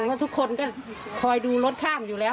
เพราะทุกคนก็คอยดูรถข้ามอยู่แล้ว